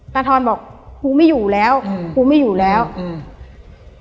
ทอนบอกกูไม่อยู่แล้วอืมกูไม่อยู่แล้วอืม